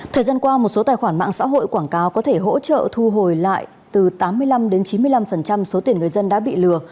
thời gian qua một số tài khoản mạng xã hội quảng cáo có thể hỗ trợ thu hồi lại từ tám mươi năm chín mươi năm số tiền người dân đã bị lừa